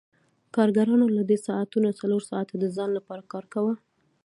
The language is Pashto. کارګرانو له دې ساعتونو څلور ساعته د ځان لپاره کار کاوه